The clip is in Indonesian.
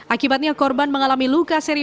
akibatnya korban mengalami luka serius